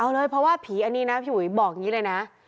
เอาเลยเพราะว่าผีอันนี้นะพี่อุ๋ยบอกอย่างนี้เลยนะ